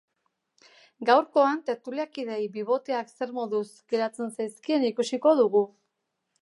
Gaurkoan, tertuliakideei biboteak zer moduz geratzen zaizkien ikusiko dugu.